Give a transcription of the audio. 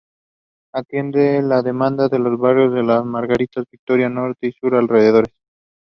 Toman is now the commissioner for the South Banat District in Vojvodina.